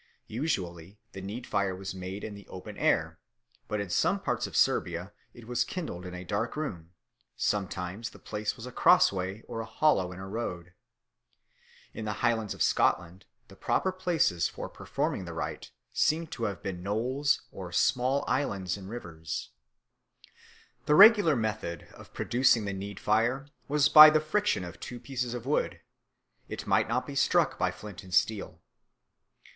Usually the need fire was made in the open air, but in some parts of Serbia it was kindled in a dark room; sometimes the place was a cross way or a hollow in a road. In the Highlands of Scotland the proper places for performing the rite seem to have been knolls or small islands in rivers. The regular method of producing the need fire was by the friction of two pieces of wood; it might not be struck by flint and steel.